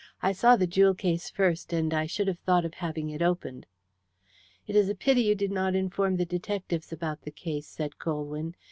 "I saw the jewel case first, and I should have thought of having it opened." "It is a pity you did not inform the detectives about the case," said Colwyn.